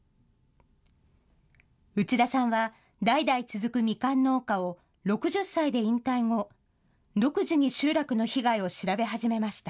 内田さんは代々続くみかん農家を６０歳で引退後、独自に集落の被害を調べ始めました。